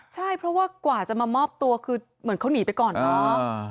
ใช่เพราะว่ากว่าจะมามอบตัวคือเหมือนเขาหนีไปก่อนเนาะ